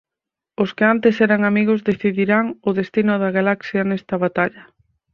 Os que antes eran amigos decidirán o destino da galaxia nesta batalla.